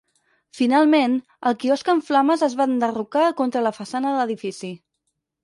Finalment, el quiosc en flames es va enderrocar contra la façana de l'edifici.